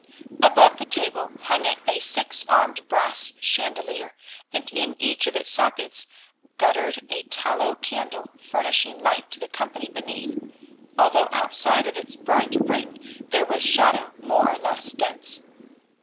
Above the table hung a six armed brass chandelier, and in each of its sockets guttered a tallow candle furnishing light to the company beneath, although outside of its bright ring there was shadow more or less dense.